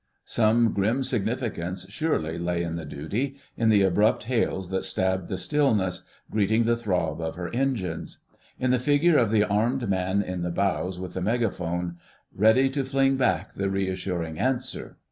Some grim significance surely lay in the duty, in the abrupt hails that stabbed the stillness, greeting the throb of her engines: in the figure of the armed man in the bows with the megaphone, ready to fling back the reassuring answer....